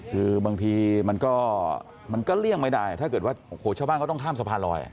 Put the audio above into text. คือบางทีมันก็มันก็เลี่ยงไม่ได้ถ้าเกิดว่าโอ้โหชาวบ้านเขาต้องข้ามสะพานลอย